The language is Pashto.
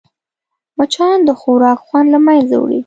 مچان د خوراک خوند له منځه وړي